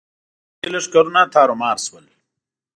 پردي لښکرونه تارو مار شول.